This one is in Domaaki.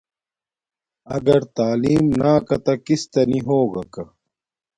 اگر تعلم ناکاتہ کستا نی ہو گا کا